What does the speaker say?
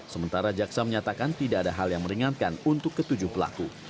sementara jaksa menyatakan tidak ada hal yang meringankan untuk ketujuh pelaku